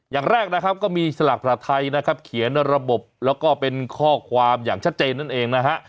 อย่างแรกนะครับก็มีสลากพระไทยนะครับเขียนระบบแล้วก็เป็นข้อความอย่างชัดเจนนั่นเองนะฮะ